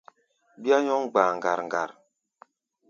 Bíá nyɔ́ŋ gba̧a̧ ŋgar-ŋgar.